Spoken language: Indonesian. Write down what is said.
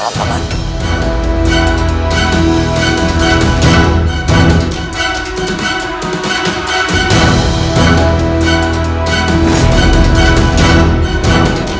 saya sedang men veh delicate yeping mu